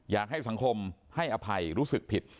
อยากให้สังคมให้อภัยรู้สึกผิด